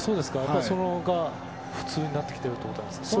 そのほうが普通になってきているということですか？